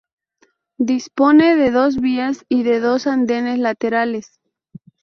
Dispone de dos vías y de dos andenes laterales.